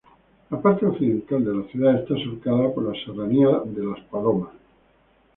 La parte occidental de la ciudad está surcada por la serranía de Las Palomas.